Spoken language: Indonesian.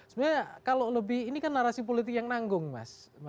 sebenarnya kalau lebih ini kan narasi politik yang nanggung mas